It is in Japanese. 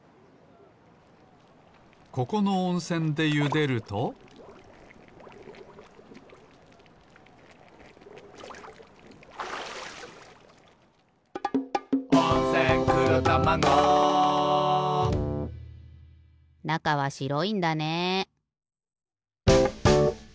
ここのおんせんでゆでると「温泉黒たまご」なかはしろいんだね。